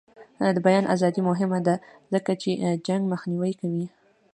د بیان ازادي مهمه ده ځکه چې جنګ مخنیوی کوي.